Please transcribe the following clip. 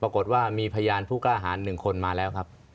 ปรากฏว่ามีพยานผู้กล้าหาร๑คนมาแล้วครับ